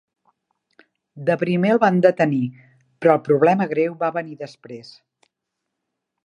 De primer el van detenir, però el problema greu va venir després.